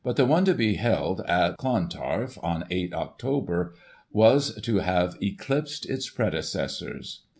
233 the one to be held at Clontarf on 8 Oct was to have eclipsed its predecessors.